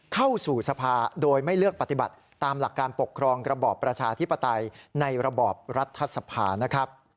เข้าสู่สภาโดยไม่เลือกปฏิบัติตามหลักการปกครองระบอบประชาธิปไตยในระบอบรัฐสภานะครับ